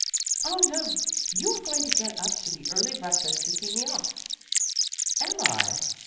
" Oh, no. You are going to get up to the early breakfast to see me off." "Am I?"